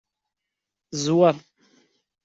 Zweṛ.